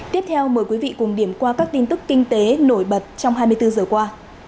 tiếp theo mời quý vị cùng điểm qua các tin tức kinh tế nổi bật trong hai mươi bốn giờ qua